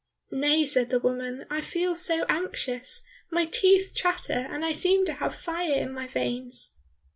"Nay," said the woman, "I feel so anxious, my teeth chatter, and I seem to have fire in my veins."